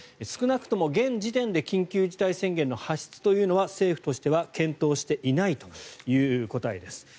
少なくとも現時点で緊急事態宣言の発出というのは政府としては検討していないという答えです。